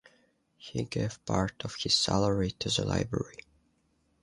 He gave part of his salary to the library.